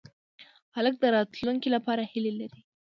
هلک د راتلونکې لپاره هیلې لري.